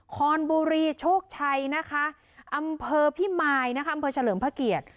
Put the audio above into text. คอนบุรีโชคชัยนะคะอำเภอพิมายนะคะอำเภอเฉลิมพระเกียรติ